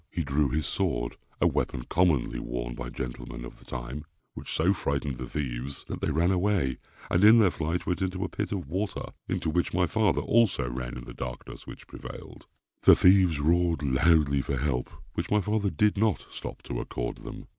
He drew his sword (a weapon commonly worn by gentlemen of the time) which so frightened the thieves that they ran away, and, in their flight, went into a pit of water, into which my father also ran in the darkness which prevailed. The thieves roared loudly for help, which my father did not stop to accord them.